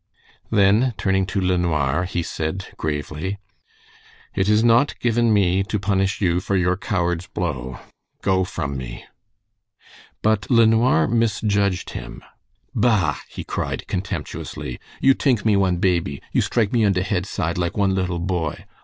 Then turning to LeNoir, he said, gravely: "It is not given me to punish you for your coward's blow. Go from me!" But LeNoir misjudged him. "Bah!" he cried, contemptuously, "you tink me one baby, you strike me on de head side like one little boy.